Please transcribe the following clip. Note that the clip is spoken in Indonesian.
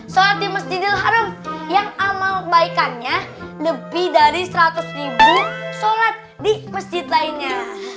sholat di masjidil haram yang amal kebaikannya lebih dari seratus ribu sholat di masjid lainnya